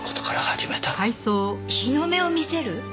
日の目を見せる？